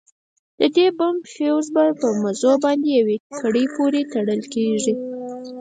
د دې بم فيوز په مزو باندې يوې ګړۍ پورې تړل کېږي.